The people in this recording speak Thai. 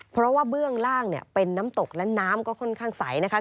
เพราะว่าเบื้องล่างเนี่ยเป็นน้ำตกและน้ำก็ค่อนข้างใสนะคะ